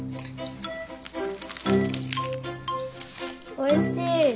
おいしい。